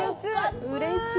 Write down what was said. うれしい。